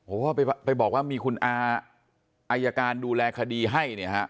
โอ้โหไปบอกว่ามีคุณอาอายการดูแลคดีให้เนี่ยฮะ